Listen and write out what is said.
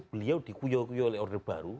beliau dikuyok kuyok oleh order baru